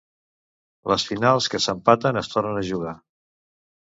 Les finals que s'empaten es tornen a jugar.